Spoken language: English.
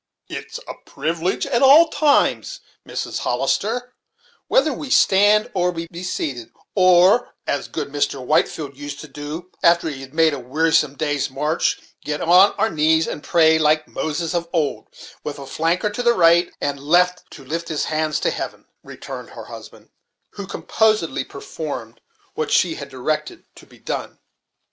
"It's a privilege at all times, Mrs. Hollister, whether we stand or be seated; or, as good Mr. Whitefleld used to do after he had made a wearisome day's march, get on our knees and pray, like Moses of old, with a flanker to the right and left to lift his hands to heaven," returned her husband, who composedly performed what she had directed to be done.